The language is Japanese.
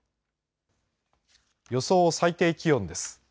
予想最低気温です。